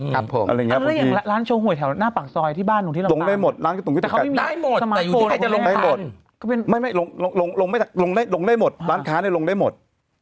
แล้วอย่างร้านโชว์ห่วยแถวหน้าปากซอยที่บ้านหนูที่ลำตาลลงได้หมดร้านค้าลงได้หมด